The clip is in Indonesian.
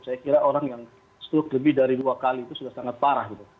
saya kira orang yang stroke lebih dari dua kali itu sudah sangat parah gitu